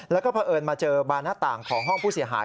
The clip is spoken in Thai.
แล้วก็เผอิญมาเจอบานหน้าต่างของห้องผู้เสียหาย